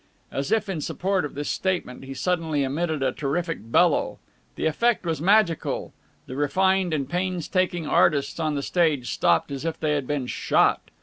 As if in support of this statement he suddenly emitted a terrific bellow. The effect was magical. The refined and painstaking artists on the stage stopped as if they had been shot.